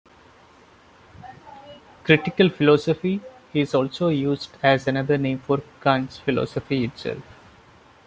"Critical philosophy" is also used as another name for Kant's philosophy itself.